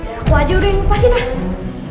eh aku aja udah yang lepasin ah